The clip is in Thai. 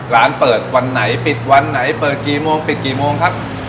ร้านเปิดวันไหนปิดวันไหนเปิดกี่โมงปิดกี่โมงครับ